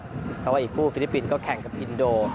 เพราะว่าอีกคู่ฟิลิปปินส์ก็แข่งกับอินโด